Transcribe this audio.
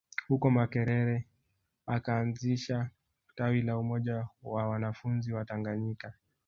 Huko Makerere akaanzisha tawi la Umoja wa wanafunzi Watanganyika